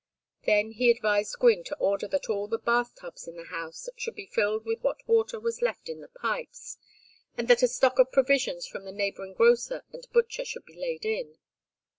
Then he advised Gwynne to order that all the bath tubs in the house should be filled with what water was left in the pipes, and that a stock of provisions from the neighboring grocer and butcher should be laid in.